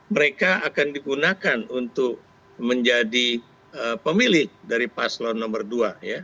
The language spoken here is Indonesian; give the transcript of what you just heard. mereka akan digunakan untuk menjadi pemilik dari paslon nomor dua